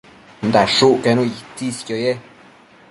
dashucquenu itsisquio ye